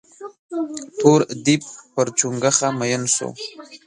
تور ديب پر چونگوښه مين سو.